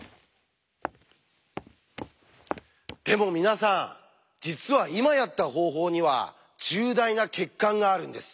でも皆さん実は今やった方法には重大な欠陥があるんです。